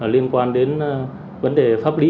liên quan đến vấn đề pháp lý